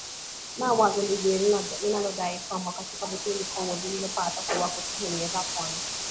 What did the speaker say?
na wazo lingine linalodai kwamba katika vipindi kongwe vilivyopata kuwako sehemu za Pwani ya